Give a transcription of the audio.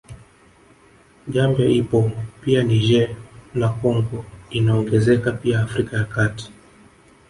Gambia ipo pia Niger na Congo inaongenzeka pia Afrika ya Kati